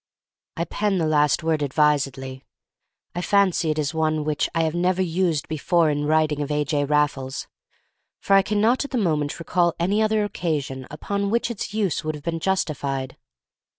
I pen the last word advisedly. I fancy it is one which I have never used before in writing of A. J. Raffles, for I cannot at the moment recall any other occasion upon which its use would have been justified.